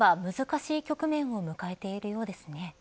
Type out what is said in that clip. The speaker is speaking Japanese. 今金融のかじ取りは難しい局面を迎えているようですね。